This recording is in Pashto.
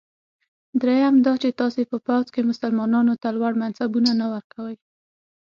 دریم دا چې تاسي په پوځ کې مسلمانانو ته لوړ منصبونه نه ورکوی.